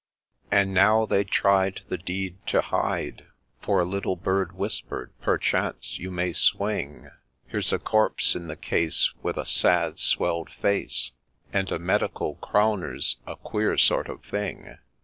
And now they tried 'the deed to hide; For a little bird whisper'd, ' Perchance you may swing ; Here 's a corpse in the case with a sad swell'd face, And a Medical Crowner's a queer sort of thing